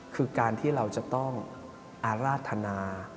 คือการที่เราจะต้องอาราธนา